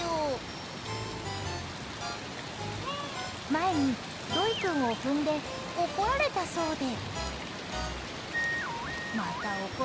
前に、ロイ君を踏んで怒られたそうで。